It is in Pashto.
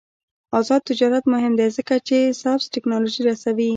آزاد تجارت مهم دی ځکه چې سبز تکنالوژي رسوي.